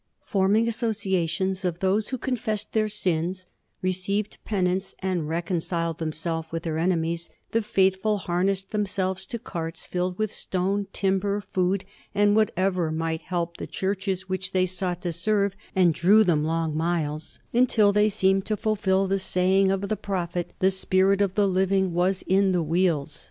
Forming associations of those who confessed their sins, received penance, and recon ciled themselves with their enemies, the faithful har nessed themselves to carts filled with stone, timber, food, and whatever might help the churches which they sought to serve, and drew them long miles until they seemed to fulfill the saying of the prophet, "the spirit of the living creature was in the wheels."